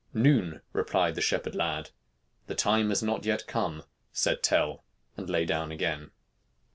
"Noon," replied the shepherd lad. "The time is not yet come," said Tell, and lay down again.